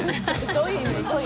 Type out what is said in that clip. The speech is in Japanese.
どういう意味？